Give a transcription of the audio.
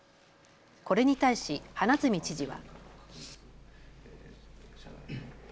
これに対し花角知事は。